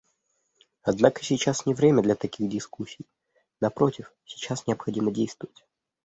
Однако сейчас не время для таких дискуссий; напротив, сейчас необходимо действовать.